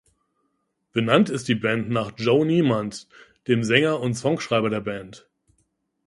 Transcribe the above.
Benannt ist die Band nach "Joe Niemand", dem Sänger und Songschreiber der Band.